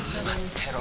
てろ